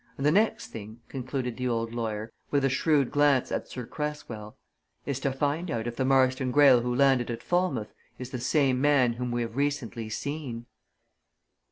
And the next thing," concluded the old lawyer, with a shrewd glance at Sir Cresswell, "is to find out if the Marston Greyle who landed at Falmouth is the same man whom we have recently seen!"